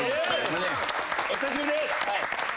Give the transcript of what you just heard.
お久しぶりです。